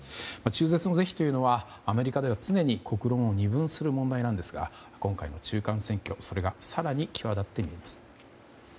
中絶の是非というのはアメリカでは常に国論を二分する問題なんですが今回の中間選挙それが更に際立っています。